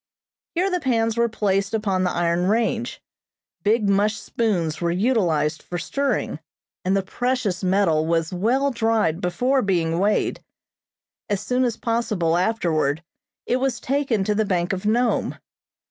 Here the pans were placed upon the iron range, big mush spoons were utilized for stirring, and the precious metal was well dried before being weighed. As soon as possible afterward it was taken to the Bank of Nome.